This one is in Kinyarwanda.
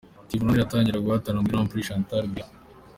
Team Rwanda iratangira guhatana muri Grand prix Chantal Biya.